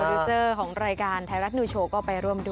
ดิวเซอร์ของรายการไทยรัฐนิวโชว์ก็ไปร่วมด้วย